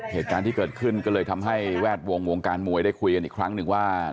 เหตุการณ์ที่เกิดขึ้นก็เลยทำให้แวดวงวงการมวยได้คุยกันอีกครั้งหนึ่งว่า